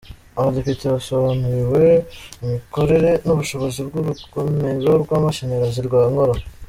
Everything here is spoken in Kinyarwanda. Abadepite basobanuriwe imikorere n’ubushobozi bw’urugomero rw’amashanyarazi rwa Nkora.